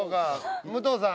武藤さん？